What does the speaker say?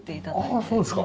ああそうですか。